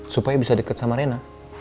supaya bisa deket sama rina